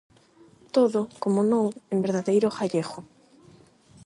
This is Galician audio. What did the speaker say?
Todo, como non, en verdadeiro ghallegho.